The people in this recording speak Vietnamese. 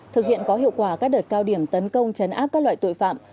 thực hiện có hiệu quả các đợt cao điểm tấn công chấn áp các loại tội phạm